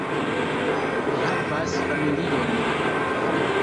Mi havas familion.